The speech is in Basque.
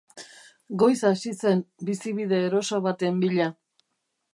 Goiz hasi zen bizibide eroso baten bila.